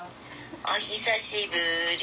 お久しぶり